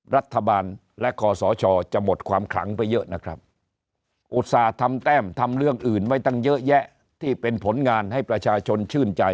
รัฐบาลและคอสชจะหมดความขลังไปเยอะนะครับอุตส่าห์ทำแต้มทำเรื่องอื่นไว้ตั้งเยอะแยะที่เป็นผลงานให้ประชาชนชื่นใจ